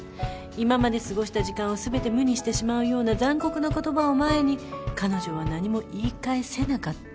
「今まで過ごした時間を全て無にしてしまうような残酷な言葉を前に彼女は何も言い返せなかった」